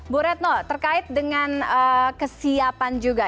bu retno terkait dengan kesiapan juga